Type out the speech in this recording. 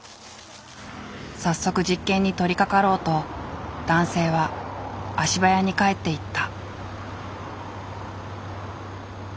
早速実験に取りかかろうと男性は足早に帰っていった。